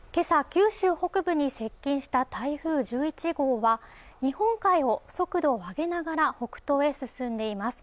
九州北部に接近した台風１１号は日本海を速度を上げながら北東へ進んでいます